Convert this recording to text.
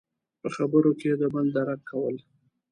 – په خبرو کې د بل درک کول.